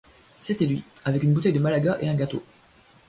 C'était lui, avec une bouteille de malaga et un gâteau.